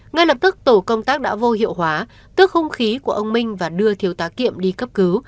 ngay lập tức tổ công tác đã vô hiệu hóa tước hung khí của ông minh và đưa thiếu tá kiệm đi cấp cứu